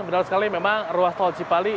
benar sekali memang ruas tol cipali